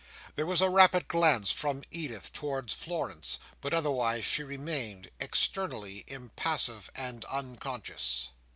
There was a rapid glance from Edith towards Florence, but otherwise she remained, externally, impassive and unconscious.